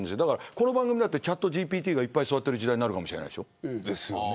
この番組だってチャットＧＰＴがいっぱい座ってる時代になるかもしれない。